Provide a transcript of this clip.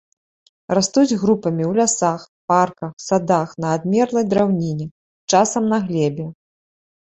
Растуць групамі ў лясах, парках, садах на адмерлай драўніне, часам на глебе.